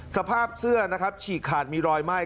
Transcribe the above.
สภาพเสื้อฉีกขาดมีรอยไหม้